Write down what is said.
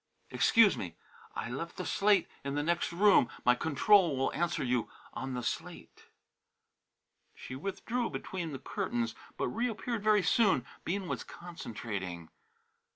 Excuse me! I left the slate in the nex' room. My control will answer you on the slate." She withdrew between the curtains, but reappeared very soon. Bean was concentrating.